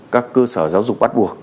các cơ sở giáo dục bắt buộc